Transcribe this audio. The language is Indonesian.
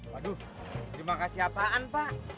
waduh terima kasih apaan pak